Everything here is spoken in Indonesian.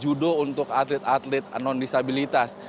judo untuk atlet atlet non disabilitas